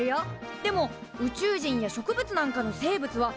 でも宇宙人や植物なんかの生物は発見されてないんだ。